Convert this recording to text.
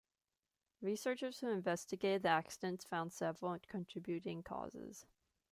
Researchers who investigated the accidents found several contributing causes.